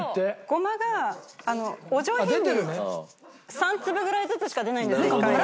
ゴマがお上品に３粒ぐらいずつしか出ないんです。